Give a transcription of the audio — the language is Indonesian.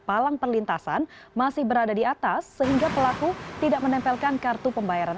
palang perlintasan masih berada di atas sehingga pelaku tidak menempelkan kartu pembayaran